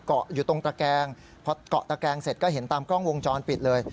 เกาะอยู่ตรงตะแกงพอเกาะตะแกงเสร็จก็เห็นตามกล้องวงจรปิดเลย